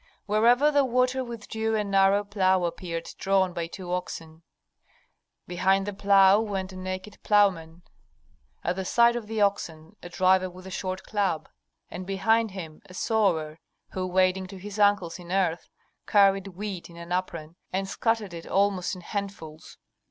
Wherever the water withdrew a narrow plough appeared drawn by two oxen. Behind the plough went a naked ploughman, at the side of the oxen a driver with a short club, and behind him a sower, who, wading to his ankles in earth, carried wheat in an apron, and scattered it almost in handfuls.